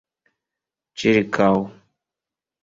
ĉirkaŭ